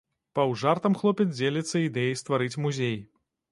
Паўжартам хлопец дзеліцца ідэяй стварыць музей.